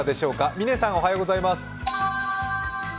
峰さんおはようございます。